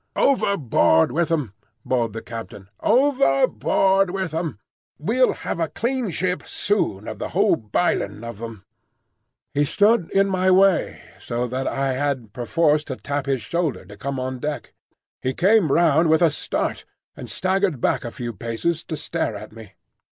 "Overboard with 'em!" bawled the captain. "Overboard with 'em! We'll have a clean ship soon of the whole bilin' of 'em." He stood in my way, so that I had perforce to tap his shoulder to come on deck. He came round with a start, and staggered back a few paces to stare at me.